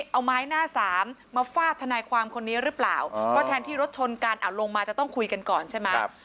เอาไม้หน้าสามมาฟาดทนายความคนนี้หรือเปล่าก็แทนที่รถชนกันลงมาจะต้องคุยกันก่อนใช่ไหม